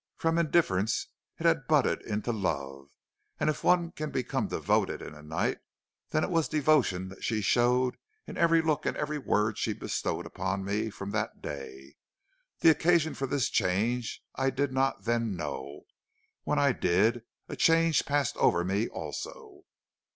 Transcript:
From indifference it had budded into love; and if one can become devoted in a night, then was it devotion that she showed in every look and every word she bestowed upon me from that day. The occasion for this change I did not then know; when I did, a change passed over me also.